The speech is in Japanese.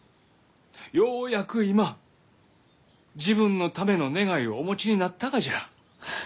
ようやく今自分のための願いをお持ちになったがじゃ！